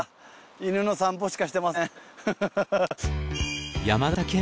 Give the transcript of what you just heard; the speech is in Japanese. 犬の散歩しかしてません。